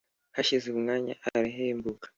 Hashize umwanya arahembuka